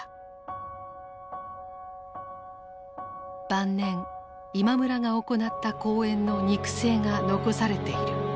晩年今村が行った講演の肉声が残されている。